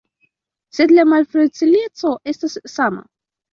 Sed la malfacileco restas sama.